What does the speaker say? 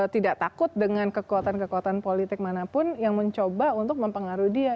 tidak takut dengan kekuatan kekuatan politik manapun yang mencoba untuk mempengaruhi dia